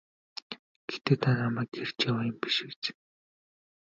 Гэхдээ та намайг эрж яваа юм биш биз?